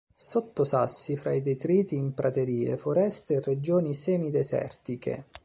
Sotto sassi, fra i detriti in praterie, foreste e regioni semi-desertiche.